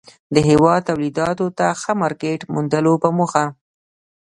د هېواد توليداتو ته ښه مارکيټ موندلو په موخه